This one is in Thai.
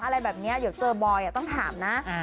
อะไรแบบนี้เดี๋ยวเจอบอยต้องถามนะ